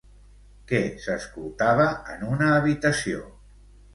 Què s'escoltava en una habitació?